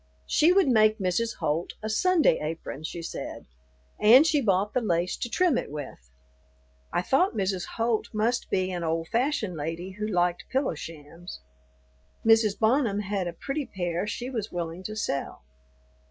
She would make Mrs. Holt a "Sunday apron," she said, and she bought the lace to trim it with. I thought Mrs. Holt must be an old fashioned lady who liked pillow shams. Mrs. Bonham had a pretty pair she was willing to sell.